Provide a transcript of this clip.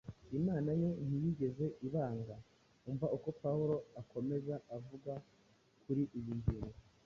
Imana yo ntiyigeze ibanga. Umva uko Pawulo akomeza avuga kuri iyi ngingo